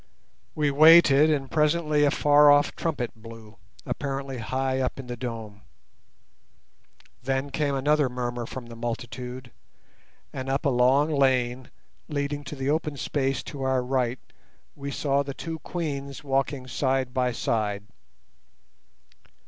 We waited, and presently a far off trumpet blew, apparently high up in the dome. Then came another murmur from the multitude, and up a long lane, leading to the open space to our right, we saw the two Queens walking side by side.